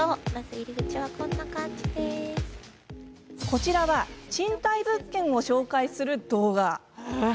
こちらは賃貸物件を紹介する動画です。